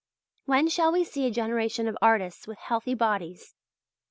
When shall we see a generation of artists with healthy bodies?